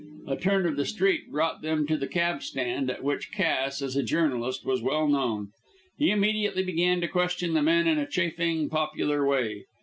A turn of the street brought them to the cab stand at which Cass, as a journalist, was well known. He immediately began to question the men in a chaffing, popular way.